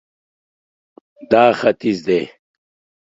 دا ختیځ دی